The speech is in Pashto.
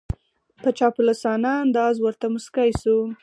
په چاپلوسانه انداز ورته موسکای شو